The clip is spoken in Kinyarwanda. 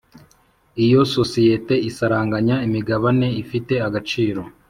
Iyo isosiyete isaranganya imigabane ifite agaciro